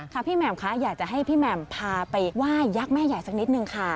พี่แหม่มคะอยากจะให้พี่แหม่มพาไปไหว้ยักษ์แม่ใหญ่สักนิดนึงค่ะ